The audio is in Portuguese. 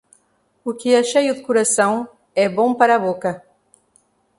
O que é cheio de coração, é bom para a boca.